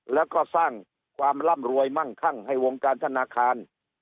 แล้วก็สร้างความร่ำรวยมั่งคั่งให้วงการธนาคาร